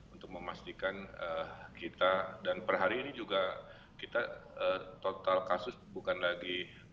untuk memastikan kita dan per hari ini juga kita total kasus bukan lagi